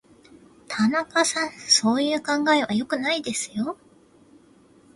田中さん、そういう考え方は良くないですよ。